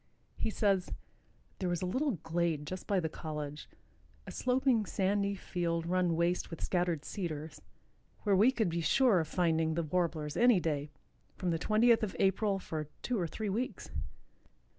He says: "There was a little glade just by the college, a sloping sandy field run waste with scattered cedars, where we could be sure of finding the Warblers any day, from the twentieth of April, for two or three weeks.